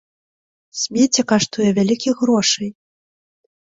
Смецце каштуе вялікіх грошай.